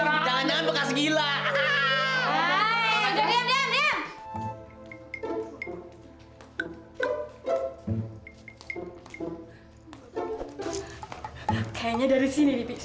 mulai bakal indah